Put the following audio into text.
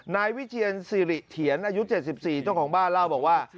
นายวิเชียนสิริเถียนอายุ๗๔เจ้าของบ้านเล่าบอกว่า